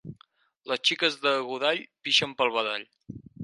Les xiques de Godall pixen pel badall.